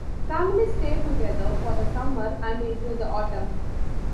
Families stay together for the summer and into the autumn.